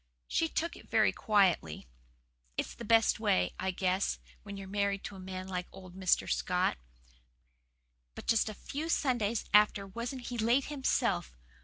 She took it very quietly. It's the best way, I guess, when you're married to a man like old Mr. Scott. But just a few Sundays after wasn't he late himself!